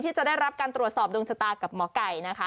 ที่จะได้รับการตรวจสอบดวงชะตากับหมอไก่นะคะ